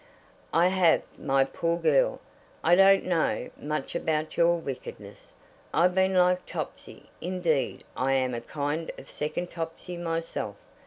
"I have, my poor girl. I don't know much about your wickedness. I've been like Topsy; indeed I am a kind of second Topsy myself.